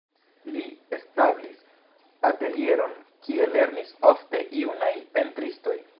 Li establis atelieron, kie lernis ofte junaj pentristoj.